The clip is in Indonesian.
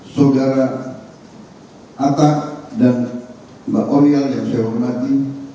saudara atta dan mbak korial yang saya hormati